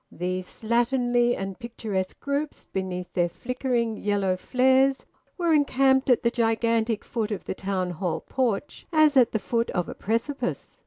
These slatternly and picturesque groups, beneath their flickering yellow flares, were encamped at the gigantic foot of the Town Hall porch as at the foot of a precipice.